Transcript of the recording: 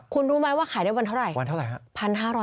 คุณรู้มั้ยว่าขายได้วันเท่าไหร่